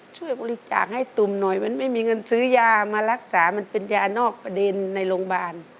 ช่วยบริจาคให้ตุ่มหน่อยมันไม่มีเงินซื้อยามารักษามันเป็นยานอกประเด็นในโรงพยาบาล